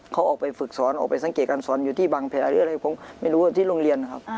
เขาออกไปฝึกสอนออกไปสังเกตการสอนอยู่ที่บางแผลหรืออะไรผมไม่รู้ที่โรงเรียนนะครับ